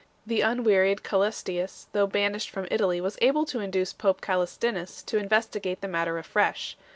The unwearied Cselestius, though banished from Italy, was able to induce pope Caslestinus to investi gate the matter afresh.